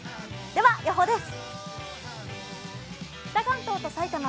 では予報です。